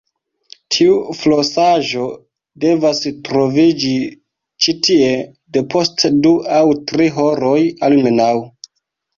Tiu flosaĵo devas troviĝi ĉi tie depost du aŭ tri horoj almenaŭ.